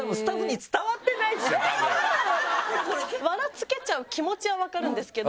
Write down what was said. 付けちゃう気持ちは分かるんですけど。